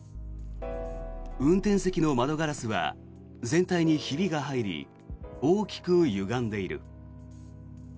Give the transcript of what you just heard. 運転席の窓ガラスは全体にひびが入り大きくゆがんでいる。